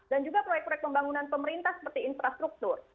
dan juga proyek proyek pembangunan pemerintah seperti infrastruktur